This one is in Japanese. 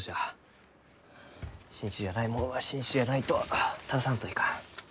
新種じゃないもんは新種じゃないと正さんといかん。